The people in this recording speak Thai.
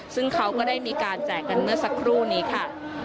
ซึ่งเขาก็ได้มีการแจกกันเมื่อสักครู่นี้ค่ะ